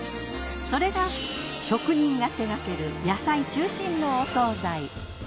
それが職人が手がける野菜中心のお惣菜。